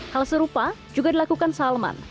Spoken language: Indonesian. hal serupa juga dilakukan salman